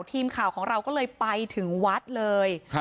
ทีมข่าวของเราก็เลยไปถึงวัดเลย